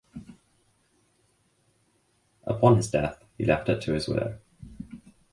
Upon his death he left it to his widow.